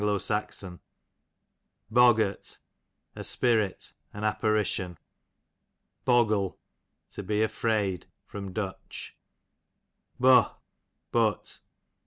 S. Boggart, a spirit, an apparition. Boggle, to be afraid. Du. Boh, but.